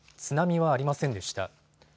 津波はありませんでした。